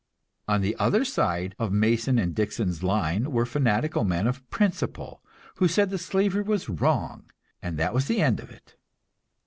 On the other side of Mason and Dixon's line were fanatical men of "principle," who said that slavery was wrong, and that was the end of it.